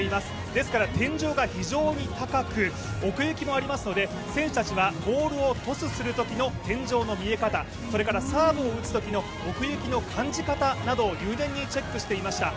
ですから天井が非常に高く奥行きもありますので、選手たちは、ボールをトスするときの天井の見え方それからサーブを打つときの奥行きの感じ方などを入念にチェックしていました。